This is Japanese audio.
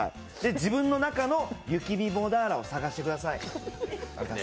自分の中の雪見ボナーラを探してください。